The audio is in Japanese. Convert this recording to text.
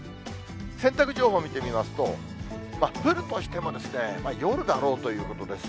洗濯情報見てみますと、降るとしても、夜だろうということです。